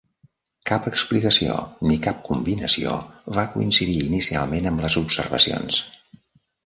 Cap explicació, ni cap combinació, va coincidir inicialment amb les observacions.